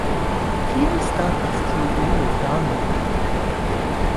Kiel statas tiu ulo Dano?